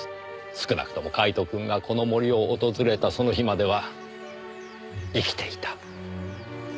少なくともカイトくんがこの森を訪れたその日までは生きていた。